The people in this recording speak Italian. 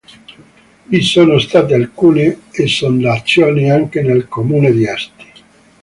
Vi sono state alcune esondazioni anche nel comune di Asti.